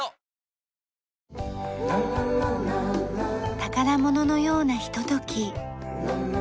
宝物のようなひととき。